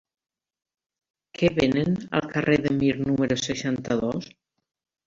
Què venen al carrer de Mir número seixanta-dos?